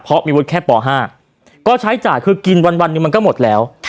เพราะมีวุฒิแค่ป๕ก็ใช้จ่ายคือกินวันหนึ่งมันก็หมดแล้ว